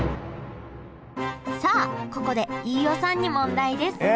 さあここで飯尾さんに問題です！えっ！？